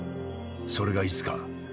それがいつか。